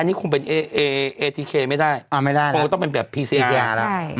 อันนี้คงเป็นเอเอเอเอทีเคไม่ได้อ่าไม่ได้แล้วต้องเป็นแบบพีซีอาร์ใช่นะฮะ